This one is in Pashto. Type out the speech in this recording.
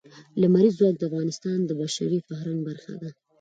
لمریز ځواک د افغانستان د بشري فرهنګ برخه ده.